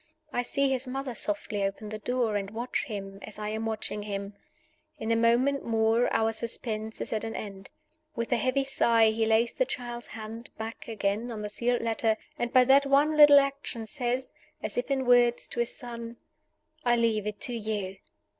I see his mother softly open the door, and watch him as I am watching him. In a moment more our suspense is at an end. With a heavy sigh, he lays the child's hand back again on the sealed letter; and by that one little action says (as if in words) to his son "I leave it to You!"